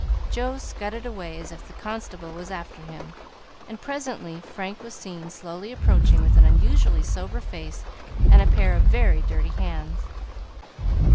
Joe scudded away as if the constable was after him, and presently Frank was seen slowly approaching with an unusually sober face and a pair of very dirty hands.